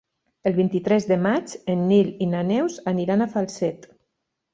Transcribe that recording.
El vint-i-tres de maig en Nil i na Neus aniran a Falset.